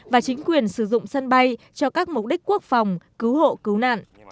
và chính quyền sử dụng sân bay cho các mục đích quốc phòng cứu hộ cứu nạn